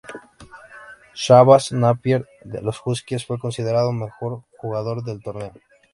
Shabazz Napier, de los Huskies, fue considerado Mejor Jugador del Torneo.